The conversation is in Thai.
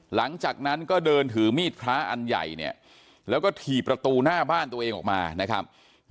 หลังจากนั้นก็เดินถือมีดพระอันใหญ่เนี่ยแล้วก็ถี่ประตูหน้าบ้านตัวเองออกมานะครับ